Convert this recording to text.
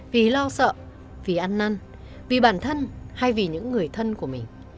vì lo sợ vì ăn năn vì bản thân hay vì những người thân của mình